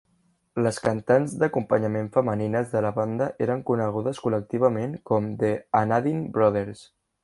Les cantants d'acompanyament femenines de la banda eren conegudes col·lectivament com The Anadin Brothers.